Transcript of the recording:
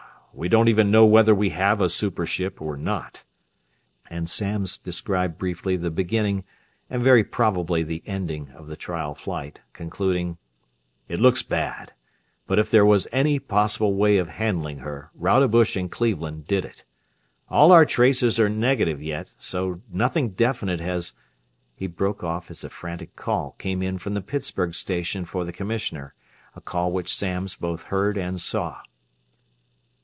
We don't even know whether we have a super ship or not," and Samms described briefly the beginning and very probably the ending of the trial flight, concluding: "It looks bad, but if there was any possible way of handling her, Rodebush and Cleveland did it. All our tracers are negative yet, so nothing definite has...." He broke off as a frantic call came in from the Pittsburgh station for the Commissioner, a call which Samms both heard and saw.